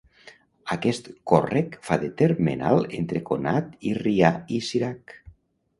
Aquest còrrec fa de termenal entre Conat i Rià i Cirac.